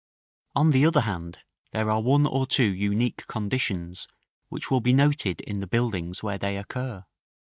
On the other hand, there are one or two unique conditions, which will be noted in the buildings where they occur.